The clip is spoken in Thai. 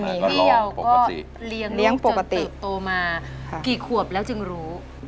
พี่เราก็เลี้ยงปกติโตมากี่ขวบแล้วจึงรู้